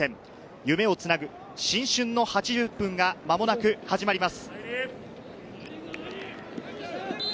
夢をつなぐ新春の８０分が間もなく始まります。